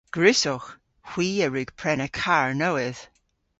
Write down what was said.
Gwrussowgh. Hwi a wrug prena karr nowydh.